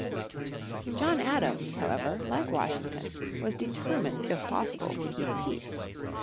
John Adams, however, like Washington, was determined if possible to keep peace.